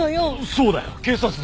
そうだよ警察だ。